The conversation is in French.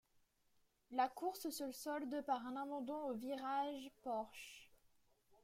La course se solde par un abandon aux virages Porsche.